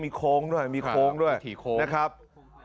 มีโค้งด้วยมีถี่โค้ง